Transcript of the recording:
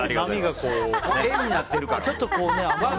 円になってるから。